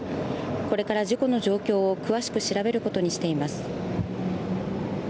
これから事故の状況を詳しく調べることにしています。